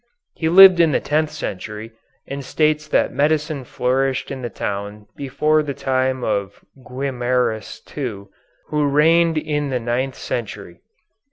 He lived in the tenth century, and states that medicine flourished in the town before the time of Guimarus II, who reigned in the ninth century.